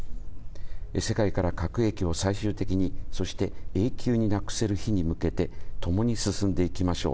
世界から核兵器を最終的に、そして永久になくせる日に向けて、ともに進んでいきましょう。